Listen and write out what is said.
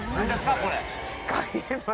これ。